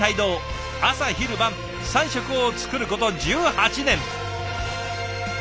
朝昼晩３食を作ること１８年。